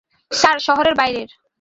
Sir, শহরের বাইরের।